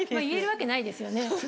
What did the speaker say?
言えるわけないですよね。